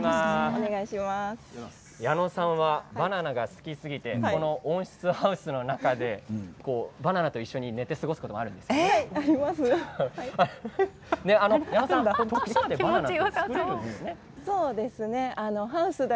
矢野さんはバナナが好きすぎてこの温室ハウスの中でバナナと一緒に寝て過ごすこともあるそうですね。あります。